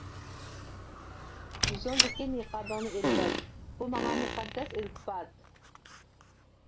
يۈزۈڭدىكى نىقابىڭنى ئېلىۋەت، بۇ ماڭا مۇقەددەس ئىلتىپات!